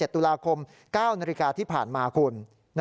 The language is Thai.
ตุลาคม๙นาฬิกาที่ผ่านมาคุณ